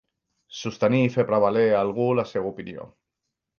Sostenir, fer prevaler, algú, la seva opinió.